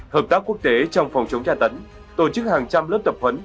hợp tác quốc tế trong phòng chống tra tấn tổ chức hàng trăm lớp tập huấn